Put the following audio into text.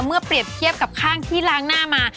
เปรียบเทียบกับข้างที่ล้างหน้ามา